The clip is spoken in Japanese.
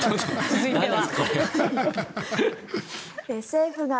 続いては。